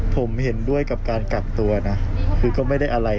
ผมเห็นด้วยกับการกักตัวนะคือก็ไม่ได้อะไร